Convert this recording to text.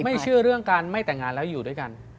เชื่อเรื่องการไม่แต่งงานแล้วอยู่ด้วยกัน